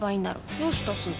どうしたすず？